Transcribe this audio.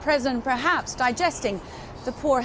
presiden amerika mungkin menggabungkan